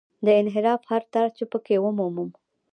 د انحراف هر تار چې په کې ومومم.